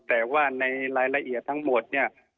แต่ว่าในรายละเอียดทั้งหมดเนี่ย